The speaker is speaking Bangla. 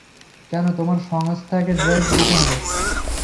কেন তোমার সংস্থাকে ড্রাইভ দিতে হবে?